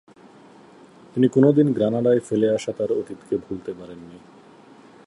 তিনি কোনোদিন গ্রানাডায় ফেলে আসা তার অতীতকে ভুলতে পারেননি।